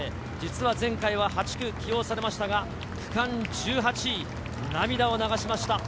実は前回は８区に起用されましたが、区間１８位、涙を流しました。